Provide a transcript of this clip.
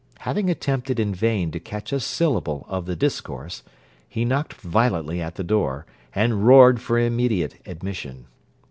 Having attempted in vain to catch a syllable of the discourse, he knocked violently at the door, and roared for immediate admission.